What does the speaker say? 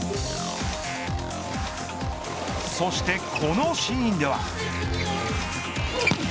そして、このシーンでは。